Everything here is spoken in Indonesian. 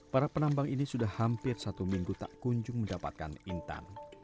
para penambang ini sudah hampir satu minggu tak kunjung mendapatkan intan